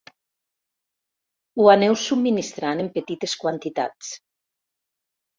Ho aneu subministrant en petites quantitats.